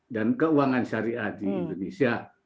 dan keuangan syariah di indonesia